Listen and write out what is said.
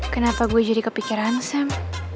kenapa gue jadi kepikiran sam